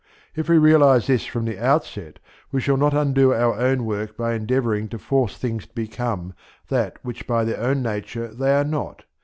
If we realize this from the outset we shall not undo our own work by endeavouring to force things to become that which by their own nature they are not.